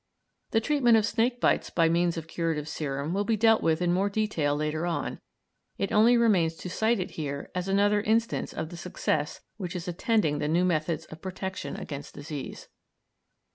The treatment of snake bites by means of curative serum will be dealt with in more detail later on; it only remains to cite it here as another instance of the success which is attending the new methods of protection against disease.